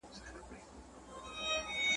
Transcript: د خان ماینې ته هر څوک بي بي وایي ,